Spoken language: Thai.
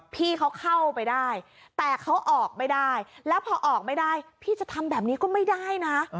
พี่เขาเข้าไปได้แต่เขาออกไม่ได้แล้วพอออกไม่ได้พี่จะทำแบบนี้ก็ไม่ได้นะ